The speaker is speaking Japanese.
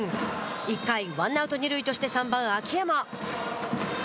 １回ワンアウト、二塁として三番秋山。